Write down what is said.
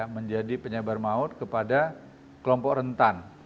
menjadi penyebar maut kepada kelompok rentan